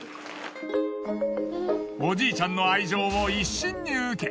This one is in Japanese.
おじいちゃんの愛情を一身に受け